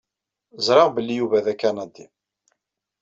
Ẓriɣ belli Yuba d Akanadi.